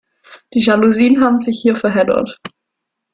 Die Jalousien haben sich hier verheddert.